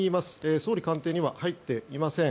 総理官邸には入っていません。